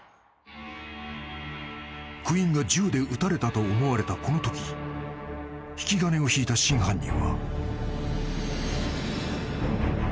［クインが銃で撃たれたと思われたこのとき引き金を引いた真犯人は］